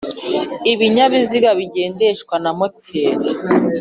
ibinyabiziga bigendeshwa na moteri